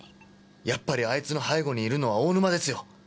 やっぱりあいつの背後にいるのは大沼ですよ！